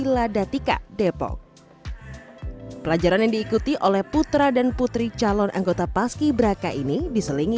ladatika depok pelajaran yang diikuti oleh putra dan putri calon anggota paski braka ini diselingi